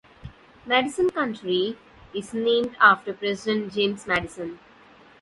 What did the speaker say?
Madison County is named after President James Madison.